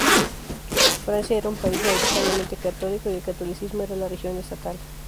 Francia era un país mayoritariamente católico y el catolicismo era la religión estatal.